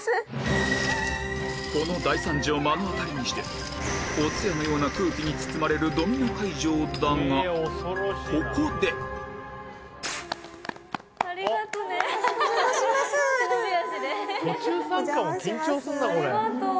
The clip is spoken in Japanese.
この大惨事を目の当たりにしてお通夜のような空気に包まれるドミノ会場だがここでお邪魔します。